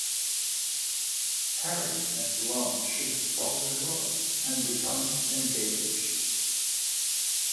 Harry and Blanche fall in love and become engaged.